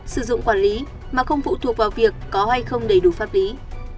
sử dụng quản lý mà không phụ thuộc vào việc có hay không đầy đủ pháp lý